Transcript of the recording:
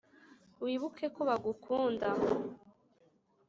wibuke ko bagukunda,